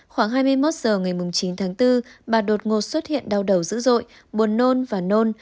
khoảng hai mươi một giờ ngày chín tháng bốn bà đột ngột xuất hiện đau đầu dữ dội buồn nôn và nôn